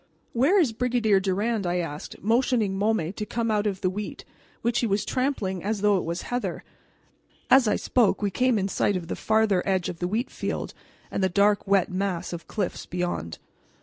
"Where is the Brigadier Durand?" I asked, motioning Môme to come out of the wheat, which he was trampling as though it were heather. As I spoke we came in sight of the farther edge of the wheat field and the dark, wet mass of cliffs beyond.